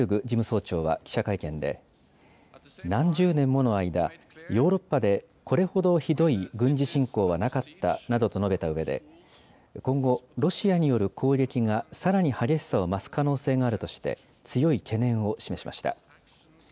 事務総長は記者会見で何十年もの間、ヨーロッパでこれほどひどい軍事侵攻はなかったなどと述べたうえで今後、ロシアによる攻撃がさらに激しさを増す可能性があるとして強い懸念を示しました。